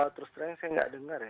terus terang saya nggak dengar ya